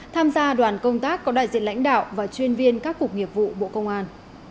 tham gia đoàn công tác có đại diện lãnh đạo và chuyên viên các cục nghiệp vụ bộ công an